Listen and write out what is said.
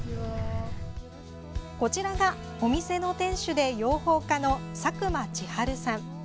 こちらがお店の店主で養蜂家の佐久間千晴さん。